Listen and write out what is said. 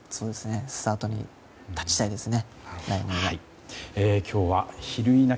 スタートに立ちたいですね。